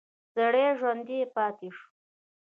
سړی ژوندی پاتې شو.